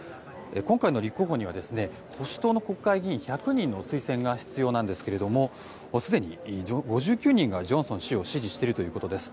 今回の立候補には保守党の国会議員１００人の推薦が必要なんですけれどもすでに５９人がジョンソン氏を支持しているということです。